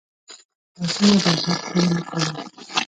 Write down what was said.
لاسونه د ادب ښوونه کوي